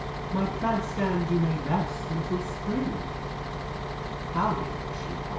My plant stand you may rest until spring (outing as she calls it)."